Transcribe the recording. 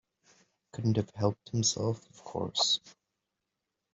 Couldn't have helped himself, of course.